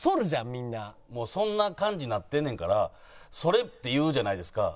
そんな感じになってんねんから剃れって言うじゃないですか。